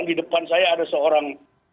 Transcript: di depan saya ada seorang